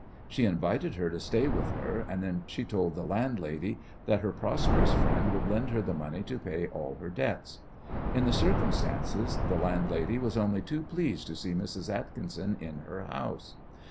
She invited her to stay with her, and then she told her landlady that her prosperous friend would lend her the money to pay all her debts. In the circumstances the landlady was only too pleased to see Mrs. Atkinson in her house.